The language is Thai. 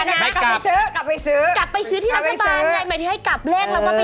กลับไปซื้อกลับไปซื้อที่รัฐบาลไงหมายถึงให้กลับแลกแล้วก็ซื้อลอตเตอรี่